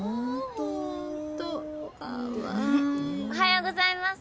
おはようございます。